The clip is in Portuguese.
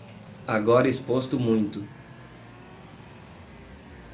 Agora exposto muito